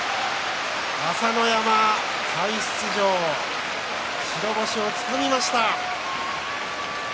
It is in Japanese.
朝乃山、再出場白星を作りました。